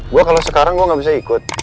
gue kalau sekarang gue gak bisa ikut